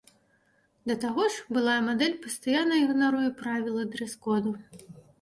Да таго ж, былая мадэль пастаянна ігнаруе правілы дрэс-коду.